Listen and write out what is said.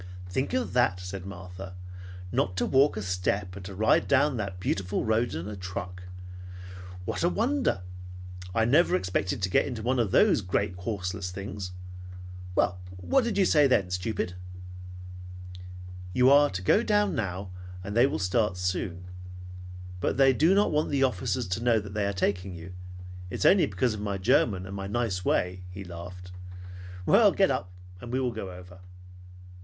"Think of that!" said Martha. "Not to walk a step, and to ride down that beautiful road in a truck. What a wonder! I never expected to get into one of those great horseless things. Well, what did you say then, stupid?" "You are to go down now, and they will start soon. But they do not want the officers to know they are taking you. It is only because of my German and my nice way," he laughed. "Well, get up, and we will go over."